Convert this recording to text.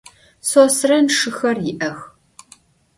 Sosren şşıxer yi'ex.